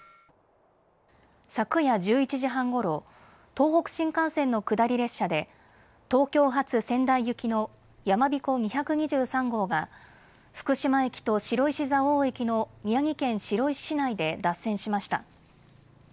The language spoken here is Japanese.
昨夜１１時半ごろ、東北新幹線の下り列車で東京発、仙台行きのやまびこ２２３号が福島駅と白石蔵王駅の宮城県白石市内で脱線しました。